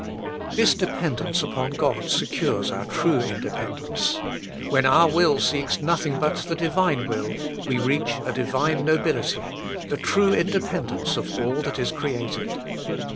This dependence upon God secures our true independence ; when our will seeks nothing but the Divine will, we reach a Divine nobility, the true independence of all that is created.